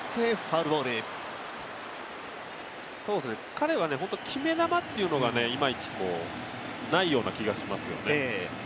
彼は決め球っていうのがいまいちないような気がしますね。